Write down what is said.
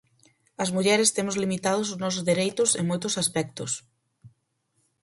As mulleres temos limitados os nosos dereitos en moitos aspectos.